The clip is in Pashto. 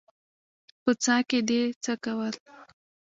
_په څاه کې دې څه کول؟